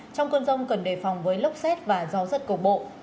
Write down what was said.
trong cơn rông cần đề phòng với lốc xét và gió rất cổ bộ